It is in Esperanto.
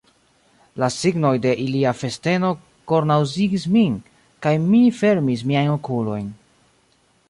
La signoj de ilia festeno kornaŭzigis min, kaj mi fermis miajn okulojn.